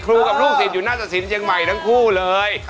ลูกศิษย์อยู่นาศาสินเชียงใหม่ทั้งคู่เลย